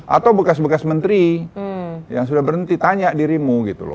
atau bekas bekas menteri yang sudah berhenti tanya dirimu